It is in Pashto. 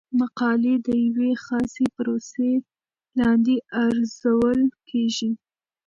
مقالې د یوې خاصې پروسې لاندې ارزول کیږي.